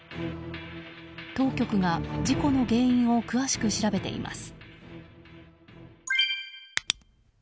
当局が事故の原因を詳しく調べています。